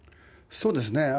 そうですね。